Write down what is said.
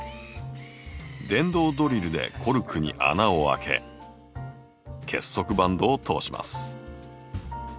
電動ドリルでコルクに穴を開け結束バンドを通します。